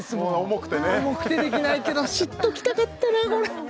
重くてできないけど知っときたかったなあ